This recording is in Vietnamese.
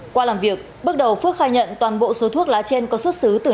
qua làm việc bước đầu phước khai nhận toàn bộ số thuốc lá chain có xuất xứ từ nước nguyễn